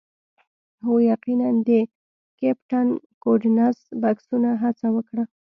هو یقیناً د کیپټن ګوډنس بکسونه هڅه وکړه